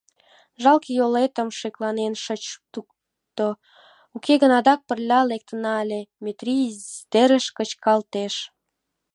Жалке, йолетым шекланен шыч тукто, уке гын адак пырля лектына ыле, — Метрий «издерыш» кычкалтеш.